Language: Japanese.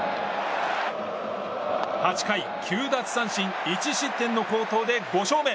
８回９奪三振１失点の好投で５勝目。